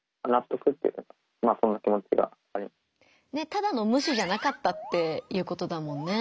ただの無視じゃなかったっていうことだもんね。